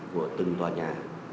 của từng tòa nhà